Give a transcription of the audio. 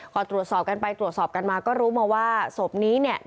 พอตรวจสอบกันไปตรวจสอบกันมาก็รู้มาว่าศพนี้เนี่ย